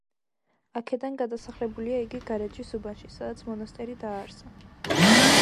აქედან გადასახლებულა იგი გარეჯის უბანში, სადაც მონასტერი დააარსა.